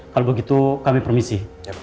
kalau begitu kami permisi